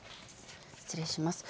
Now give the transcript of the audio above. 失礼します。